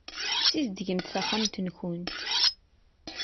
Ssizdgemt taxxamt-nkent.